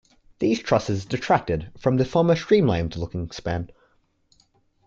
These trusses detracted from the former streamlined looking span.